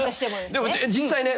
でも実際ね